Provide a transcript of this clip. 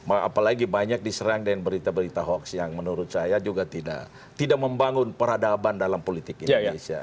apalagi banyak diserang dengan berita berita hoax yang menurut saya juga tidak membangun peradaban dalam politik indonesia